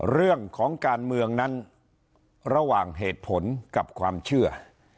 เรื่องของการเมืองนั้นระหว่างเหตุผลกับความเชื่อ